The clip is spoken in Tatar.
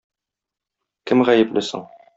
Кем гаепле соң?